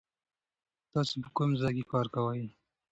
تاسو په کوم ځای کې کار کوئ؟